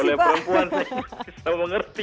oleh perempuan bisa mengerti